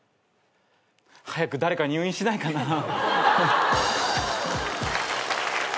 早く誰か入院しないかなぁ。